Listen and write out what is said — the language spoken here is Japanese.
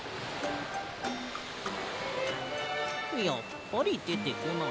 やっぱりでてこない。